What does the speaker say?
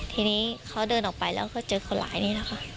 ทีนี้เขาเดินออกไปแล้วก็เจอคนหลายนี้แหละค่ะ